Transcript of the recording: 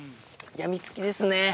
病みつきですね。